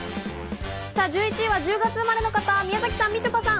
１１位は１０月生まれの方、宮崎さん、みちょぱさん。